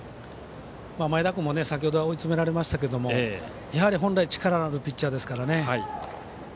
前田君も先ほどは追い詰められましたがやはり本来力のあるピッチャーですから。